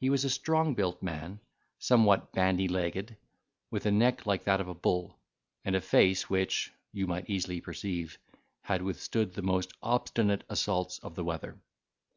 He was a strong built man, somewhat bandy legged, with a neck like that of a bull, and a face which (you might easily perceive) had withstood the most obstinate assaults of the weather.